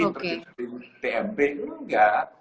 dari pmb enggak